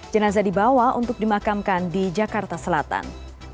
jenazah dibawa untuk dimakamkan di jakarta selatan